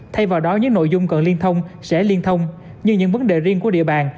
thay vào đó những nội dung cần liên thông sẽ liên thông như những vấn đề riêng của địa bàn